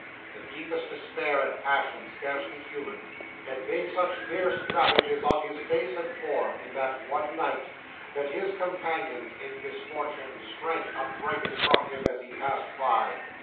'The deepest despair, and passion scarcely human, had made such fierce ravages on his face and form, in that one night, that his companions in misfortune shrank affrighted from him as he passed by.